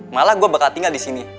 malah gue berkat tinggal di sini